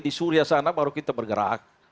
di suria sana baru kita bergerak